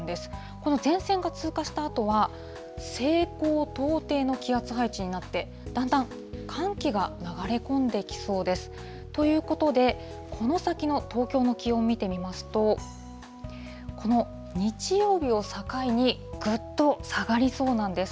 この前線が通過したあとは、西高東低の気圧配置になって、だんだん寒気が流れ込んできそうです。ということで、この先の東京の気温見てみますと、この日曜日を境にぐっと下がりそうなんです。